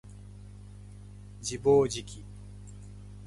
自暴自棄